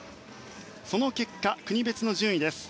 その結果、国別の順位です。